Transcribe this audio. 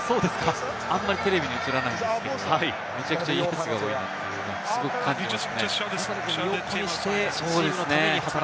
あんまりテレビに映らないんですけど、むちゃくちゃいいやつが多いなというのは非常に感じます。